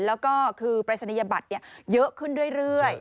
แล้วก็คือปรายศนียบัตรเยอะขึ้นเรื่อย